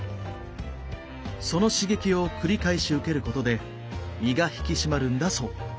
その刺激を繰り返し受けることで身が引き締まるんだそう。